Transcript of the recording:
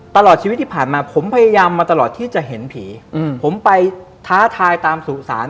ตลอดชีวิตที่ผ่านมาผมพยายามมาตลอดที่จะเห็นผีผมไปท้าทายตามสู่ศาล